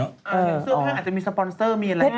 เสื้อผ้าอาจจะมีสปอนเซอร์มีอะไรอย่างนี้